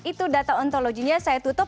itu data ontologinya saya tutup